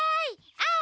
アオ？